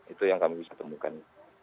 itu yang kami bisa temukan